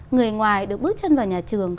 người ngoài được bước chân vào nhà trường